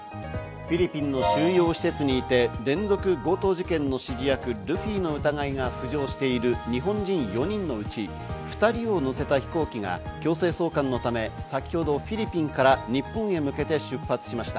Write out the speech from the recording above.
フィリピンの収容施設にいて、連続強盗事件の指示役・ルフィの疑いが浮上している日本人４人のうち２人を乗せた飛行機が強制送還のため先ほどフィリピンから日本をへ向けて出発しました。